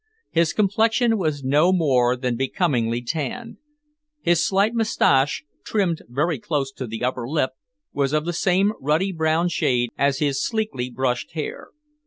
His complexion was no more than becomingly tanned; his slight moustache, trimmed very close to the upper lip, was of the same ruddy brown shade as his sleekly brushed hair.